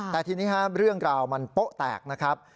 แต่ทีนี้เรื่องราวมันโป๊ะแตกนะครับ